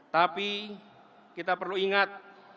tapi kita perlu ingat